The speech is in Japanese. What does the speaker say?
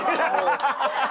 ハハハハ！